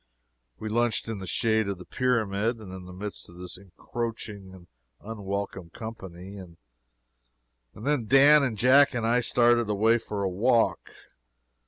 We lunched in the shade of the pyramid, and in the midst of this encroaching and unwelcome company, and then Dan and Jack and I started away for a walk.